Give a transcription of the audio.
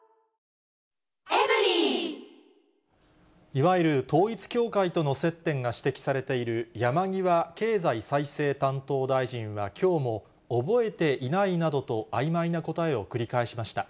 いわゆる統一教会との接点が指摘されている山際経済再生担当大臣はきょうも、覚えていないなどとあいまいな答えを繰り返しました。